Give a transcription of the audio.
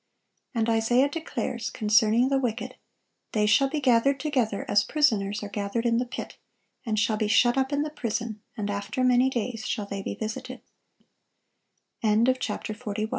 (1155) And Isaiah declares, concerning the wicked, "They shall be gathered together, as prisoners are gathered in the pit, and shall be shut up in the prison, and _after many days shall they be v